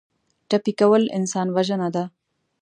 ټپي کول انسان وژنه ده.